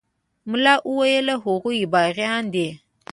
ملا وويل هغوى باغيان دي.